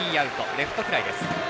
レフトフライです。